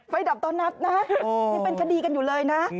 ดับตอนนับนะยังเป็นคดีกันอยู่เลยนะ